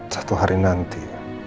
satu hari nanti